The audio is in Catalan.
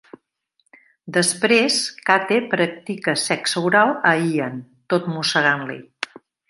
Després, Cate practica sexe oral a Ian, tot mossegant-li.